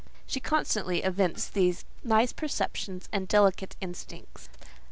She constantly evinced these nice perceptions and delicate instincts.